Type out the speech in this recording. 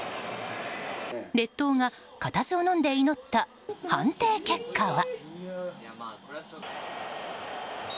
列島が固唾をのんで祈った判定結果は。